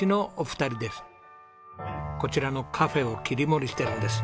こちらのカフェを切り盛りしてるんです。